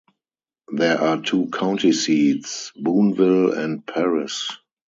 There are two county seats: Booneville and Paris.